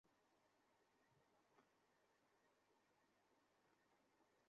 আমি এক্ষুনি চেক করে জানাচ্ছি।